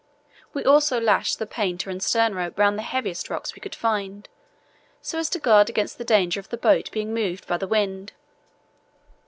We also lashed the painter and stern rope round the heaviest rocks we could find, so as to guard against the danger of the boat being moved by the wind.